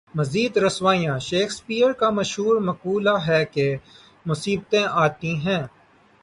مزید رسوائیاں شیکسپیئر کا مشہور مقولہ ہے کہ مصیبتیں آتی ہیں۔